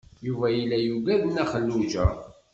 Yuba yella yugad Nna Xelluǧa.